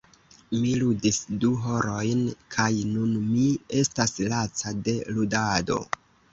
Mi ludis du horojn kaj nun mi estas laca de ludado.